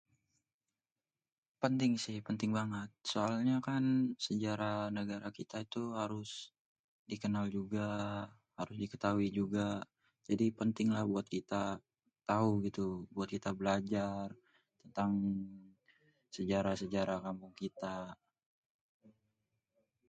Penting sih, penting banget. Soalnya kan sejarah negara kita tu harus dikenal juga, harus diketahui juga. Jadi pentinglah buat kita tahu gitu, buat kita belajar tentang sejarah-sejarah kampung kita.